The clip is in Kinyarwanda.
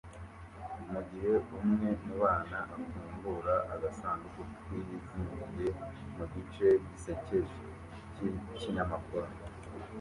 mugihe umwe mubana afungura agasanduku kizingiye mu gice gisekeje cyikinyamakuru